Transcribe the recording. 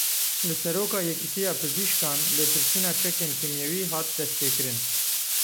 Li Seroka Yekîtiya Pizîşkan lêpirsîna çekên kîmyewî hat destpêkirin.